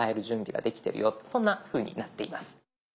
そんなふうになっています。